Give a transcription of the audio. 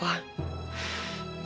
aku jadi kangen juga sama alva